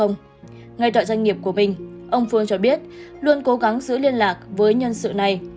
ngay tại doanh nghiệp của mình ông phương cho biết luôn cố gắng giữ liên lạc với nhân sự này